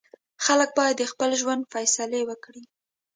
خلک باید د خپل ژوند فیصلې وکړي.